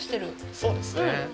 そうですね。